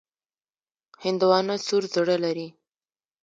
هندوانه سور زړه لري.